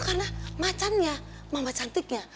karena macannya mama cantiknya